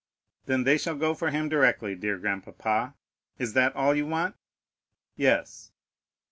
"Then they shall go for him directly, dear grandpapa. Is that all you want?" "Yes."